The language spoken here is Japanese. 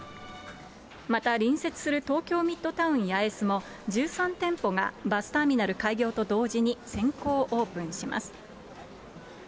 また隣接する東京ミッドタウン八重洲も、１３店舗がバスターミナル開業と同時に先行オープンします。